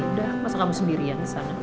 udah masuk kamu sendirian ke sana